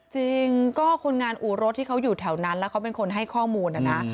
จริงก็คนงานอู่รถที่เขาอยู่แถวนั้นแล้วเขาเป็นคนให้ข้อมูลนะนะ